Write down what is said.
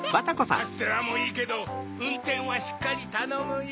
カステラもいいけどうんてんはしっかりたのむよ。